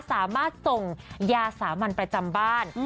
สามารถส่งยาสามัญประจำบ้าน